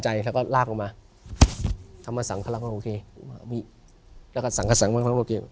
เหมือนสายสี